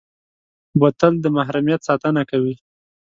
بوتل د محرمیت ساتنه کوي.